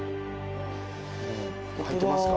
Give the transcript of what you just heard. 入ってますか？